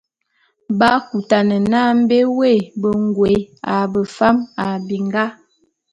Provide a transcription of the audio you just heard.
B'akutane n'a bé woé bengôé a befam a binga.